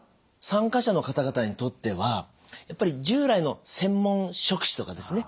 参加者の方々にとってはやっぱり従来の専門職種とかですね